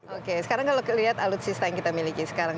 oke sekarang kalau lihat alutsista yang kita miliki sekarang